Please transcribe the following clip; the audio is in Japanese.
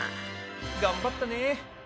頑張ったね！